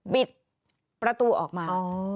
บิดประตูออกมา